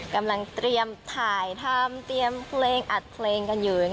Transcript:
กำลังเตรียมถ่ายทำเตรียมเพลงอัดเพลงกันอยู่